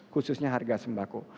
khususnya harga sembako